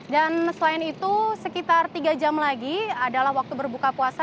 dan selain itu sekitar tiga jam lagi adalah waktu berbuka puasa